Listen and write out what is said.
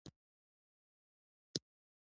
ګرګين وخندل: اسانه ده.